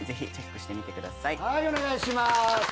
お願いします。